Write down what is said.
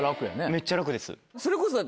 めっちゃ楽です。